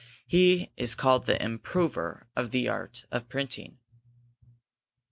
He is called the Improver of the art of printing.